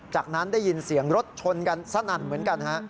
จากนั้นได้ยินเสียงรถชนกันสนั่นเหมือนกันฮะ